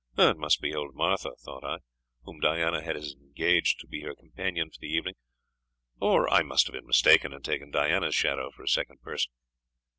"It must be old Martha," thought I, "whom Diana has engaged to be her companion for the evening; or I must have been mistaken, and taken Diana's shadow for a second person.